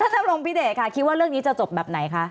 ดำรงพิเดชค่ะคิดว่าเรื่องนี้จะจบแบบไหนคะ